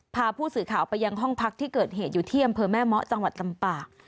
พาผู้สื่อข่าวไปยังห้องพักที่เกิดเหตุอยู่ที่อำเภอแม่เมาะจังหวัดลำปาง